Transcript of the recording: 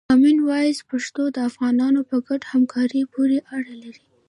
کامن وایس پښتو د افغانانو په ګډه همکاري پورې اړه لري.